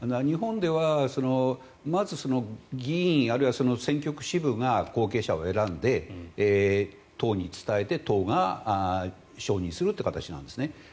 日本ではまず議員あるいは選挙区の支部が後継者を選んで党に伝えて党が承認するという形なんですね。